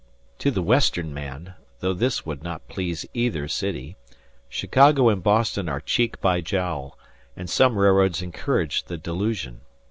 To the Western man (though this would not please either city) Chicago and Boston are cheek by jowl, and some railroads encourage the delusion.